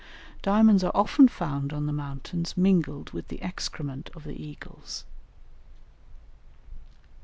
Diamonds are often found on the mountains, mingled with the excrement of the eagles."